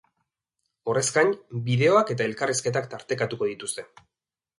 Horrez gain, bideoak eta elkarrizketak tartekatuko dituzte.